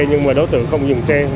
nhưng mà đối tượng không dùng xe